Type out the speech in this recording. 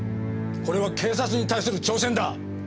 これは警察に対する挑戦だ。